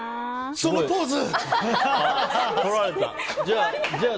そのポーズ！